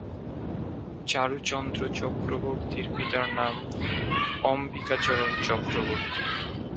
চারুচন্দ্র চক্রবর্তীর পিতার নাম অম্বিকাচরণ চক্রবর্তী।